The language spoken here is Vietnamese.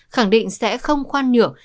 khẳng định sẽ không khoan nhượng